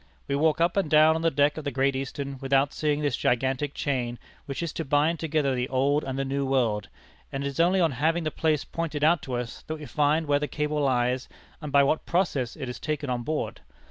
We walk up and down on the deck of the Great Eastern without seeing this gigantic chain which is to bind together the Old and the New World; and it is only on having the place pointed out to us that we find where the cable lies and by what process it is taken on board.